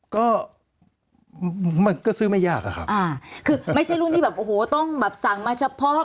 ก็มันก็ซื้อไม่ยากอะครับอ่าคือไม่ใช่รุ่นที่แบบโอ้โหต้องแบบสั่งมาเฉพาะ